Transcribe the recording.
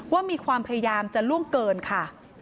ว่ามีความพยายามจะล่วงเกินค่ะ